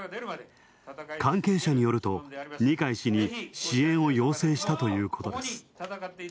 関係者によると、二階氏に支援を要請したということです。